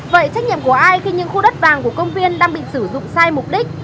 vậy trách nhiệm của ai khi những khu đất vàng của công viên đang bị sử dụng sai mục đích